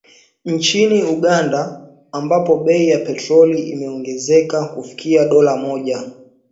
Nchini Uganda, ambapo bei ya petroli imeongezeka kufikia dola moja